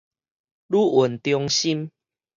旅運中心